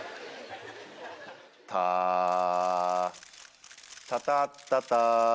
タタタッタタ